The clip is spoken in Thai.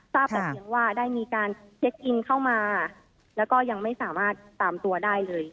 ทราบแต่เพียงว่าได้มีการเช็คอินเข้ามาแล้วก็ยังไม่สามารถตามตัวได้เลย